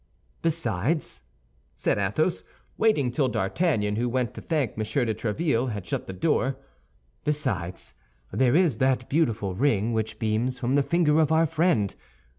"Besides," said Athos, waiting till D'Artagnan, who went to thank Monsieur de Tréville, had shut the door, "besides, there is that beautiful ring which beams from the finger of our friend.